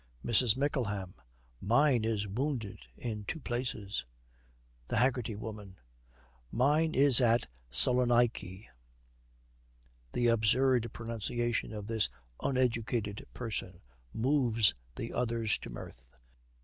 MRS. MICKLEHAM. 'Mine is wounded in two places.' THE HAGGERTY WOMAN. 'Mine is at Salonaiky.' The absurd pronunciation of this uneducated person moves the others to mirth.